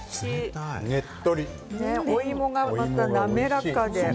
お芋がまた滑らかで。